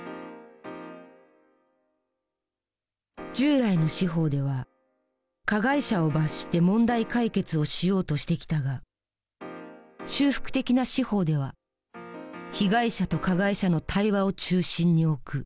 従来の司法では加害者を罰して問題解決をしようとしてきたが修復的な司法では被害者と加害者の対話を中心に置く。